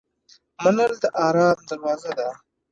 منل د آرام دروازه ده.